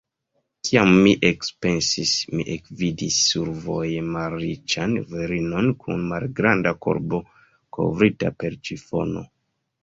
Kiam mi ekpensis, mi ekvidis survoje malriĉan virinon kun malgranda korbo, kovrita per ĉifono.